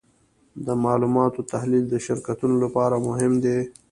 د معلوماتو تحلیل د شرکتونو لپاره مهم دی.